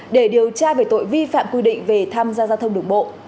để điều tra về tội vi phạm quy định về tham gia giao thông đường bộ